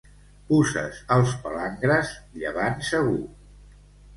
Puces als palangres, llevant segur.